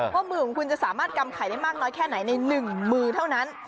ว่ามือของคุณจะสามารถกำไข่ได้มากน้อยแค่ไหนใน๑มือเท่านั้น